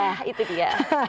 nah itu dia